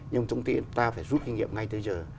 nhưng chúng ta phải rút doanh nghiệp ngay tới giờ